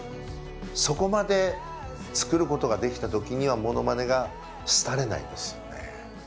そこまで作ることができた時にはモノマネが廃れないですよね。